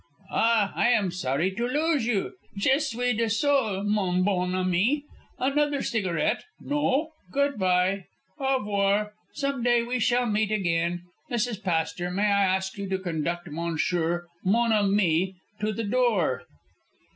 "Ah, I am sorry to lose you. Je suis désolé, mon bon ami. Another cigarette? No? Good bye. Au revoir! Some day we shall meet again. Mrs. Pastor, may I ask you to conduct monsieur, mon ami, to the door."